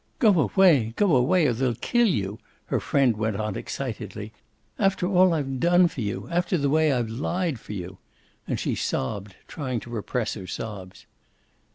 "Go away, go away or they'll kill you!" her friend went on excitedly. "After all I've done for you after the way I've lied for you!" And she sobbed, trying to repress her sobs.